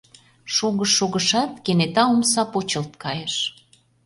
Шогыш-шогышат, — кенета омса почылт кайыш.